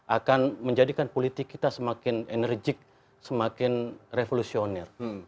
akan menjadikan politik kita semakin enerjik semakin revolusioner